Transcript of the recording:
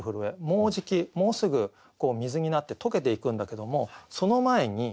もうじきもうすぐ水になって解けていくんだけどもその前に震える。